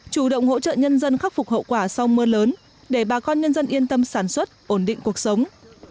chủ động hỗ trợ nhân dân khắc phục hậu quả sau mưa lớn để bà con nhân dân yên tâm sản xuất ổn định cuộc sống